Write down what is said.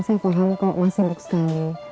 saya paham kok masih muk sekali